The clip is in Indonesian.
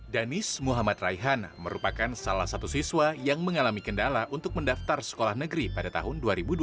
danis muhammad raihan merupakan salah satu siswa yang mengalami kendala untuk mendaftar sekolah negeri pada tahun dua ribu dua puluh